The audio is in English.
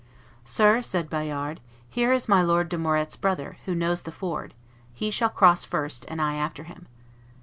"Sir," said Bayard, "here is my Lord de Morette's brother, who knows the ford; he shall cross first, and I after him."